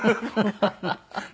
ハハハハ！